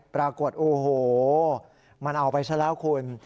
ปรากฏโอ้โหมันเอาไปซะแล้วคุณ